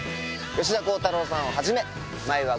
吉田鋼太郎さんをはじめ毎話